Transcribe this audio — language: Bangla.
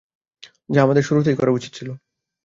যা আমাদের শুরুতেই করা উচিত ছিল।